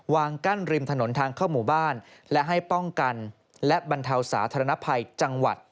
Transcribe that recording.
วางกั้นริมถนนทางเข้าหมู่บ้านและให้ป้องกันและบรรเทาสาธารณภัยจังหวัด